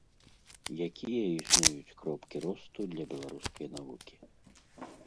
Якія існуюць кропкі росту для беларускай навукі?